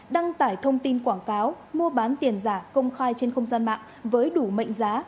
đăng tải thông tin quảng cáo mua bán tiền giả công khai trên không gian mạng với đủ mệnh giá